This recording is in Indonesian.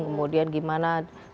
kemudian gimana di sekolah